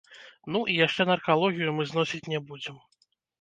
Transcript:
Ну, і яшчэ наркалогію мы зносіць не будзем.